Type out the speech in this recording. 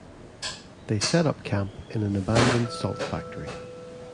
They set up camp in an abandoned salt factory.